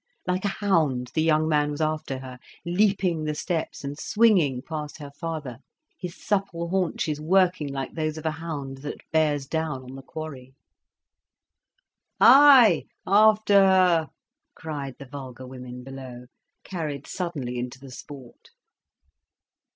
Like a hound the young man was after her, leaping the steps and swinging past her father, his supple haunches working like those of a hound that bears down on the quarry. "Ay, after her!" cried the vulgar women below, carried suddenly into the sport.